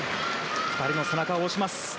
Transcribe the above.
２人の背中を押します。